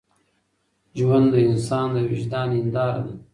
ژوند د انسان د وجدان هنداره ده.